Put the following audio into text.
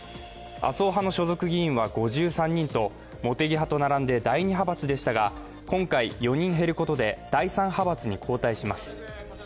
麻生派の所属議員は５３人と、茂木派と並んで第２派閥でしたが、今回、４人減ることで、第３派閥に後退します。